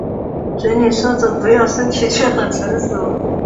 嘴里说着不要身体却很诚实